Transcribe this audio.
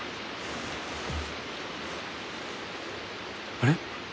あれ？